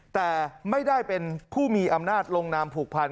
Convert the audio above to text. แต่ไม่ได้เป็นผู้มีอำนาจลงนามผูกพัน